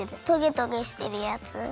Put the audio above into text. トゲトゲしてるやつ？